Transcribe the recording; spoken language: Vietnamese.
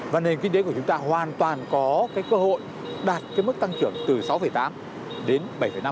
và nền kinh tế của chúng ta hoàn toàn có cái cơ hội đạt cái mức tăng trưởng từ sáu tám đến bảy năm